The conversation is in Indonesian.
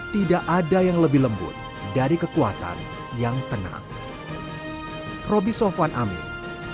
tidak ada yang lebih lembut dari kekuatan yang tenang